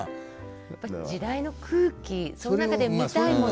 やっぱり時代の空気その中で見たいもの。